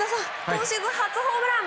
今シーズン初ホームラン。